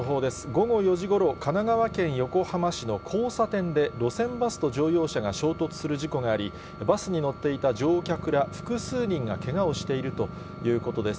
午後４時ごろ、神奈川県横浜市の交差点で路線バスと乗用車が衝突する事故があり、バスに乗っていた乗客ら複数人がけがをしているということです。